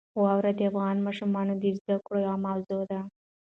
واوره د افغان ماشومانو د زده کړې یوه موضوع ده.